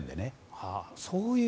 そうそう。